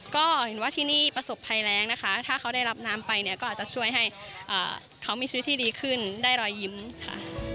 ก็เห็นว่าที่นี่ประสบภัยแรงนะคะถ้าเขาได้รับน้ำไปเนี่ยก็อาจจะช่วยให้เขามีชีวิตที่ดีขึ้นได้รอยยิ้มค่ะ